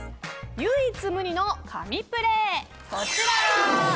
唯一無二の神プレー、こちら。